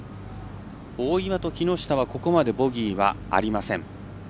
大岩と木下はここまでボギーはありません。